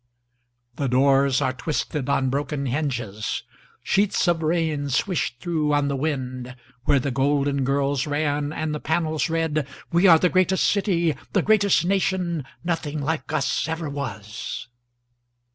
The doors are twisted on broken hinges. Sheets of rain swish through on the windwhere the golden girls ran and the panels read:We are the greatest city, the greatest nation, nothing like us ever was.